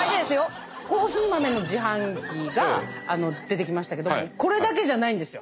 コーヒー豆の自販機が出てきましたけどこれだけじゃないんですよ。